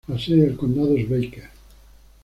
La sede del condado es Baker.